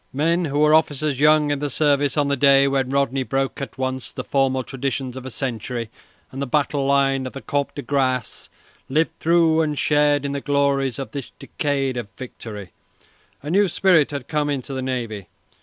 Men who were officers young in the service on the day when Rodney broke at once the formal traditions of a century and the battle line of the Comte de Grasse lived through and shared in the glories of this decade of victory. A new spirit had come into the navy.